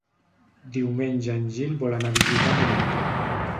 Diumenge en Gil vol anar a visitar mon oncle.